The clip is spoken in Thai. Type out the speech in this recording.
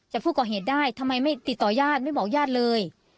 จับผู้ก่อเหตุได้ทำไมไม่ติดต่อญาติไม่บอกญาติเลย